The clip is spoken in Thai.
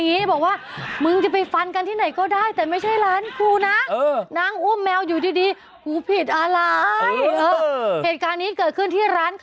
เอาไปดูภาพกันค่ะ